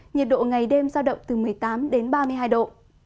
nhiệt độ ngày đêm giao động từ một mươi tám đến ba mươi hai độ